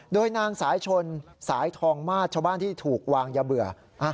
โดยนางสายชนสายทองมาตรชาวบ้านที่ถูกวางยาเบื่อ